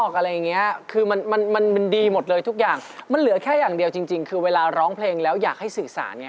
คุณสื่อสารได้ดีมากแต่ว่านะตอนนี้เพลงเพลงเร็วเนี่ย